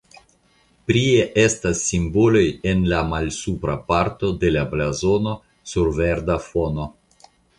Prie estas simboloj en la malsupra parto de la blazono sur verda fono.